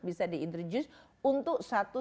bisa di introduce untuk satu